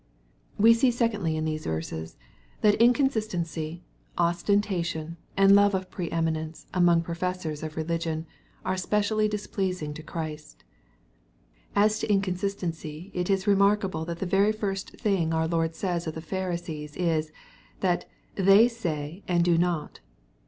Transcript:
We see secondly, in these verses, tJuU inconsistency, ostentcUion, and love of pre eminence, among professors of religion, are specially displeasing to Christ As to in consistency it is remarkable that the very first thing our Lord says of the Pharisees is, that " they say, and do not."